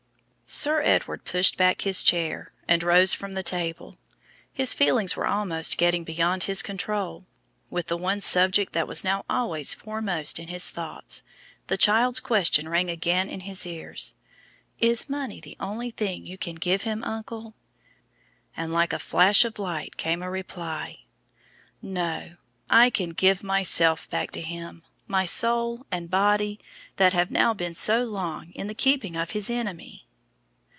Sir Edward pushed back his chair and rose from the table. His feelings were almost getting beyond his control. With the one subject that was now always foremost in his thoughts, the child's question rang again in his ears, "Is money the only thing you can give Him, uncle?" And like a flash of light came a reply: "No, I can give myself back to Him, my soul and body, that have now been so long in the keeping of His enemy."